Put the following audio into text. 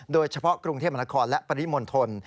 โดยเฉพาะกรุงเทพมนครและปริมณฑล